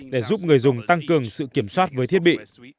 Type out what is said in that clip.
để giúp người dùng tăng cường sự kiểm soát với thiết bị